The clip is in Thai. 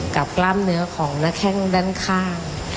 กล้ามเนื้อของหน้าแข้งด้านข้าง